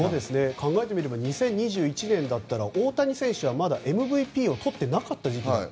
考えてみれば２０２１年だったら大谷選手はまだＭＶＰをとっていなかった時期だった。